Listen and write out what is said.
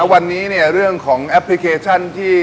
วันนี้เนี่ยเรื่องของแอปพลิเคชันที่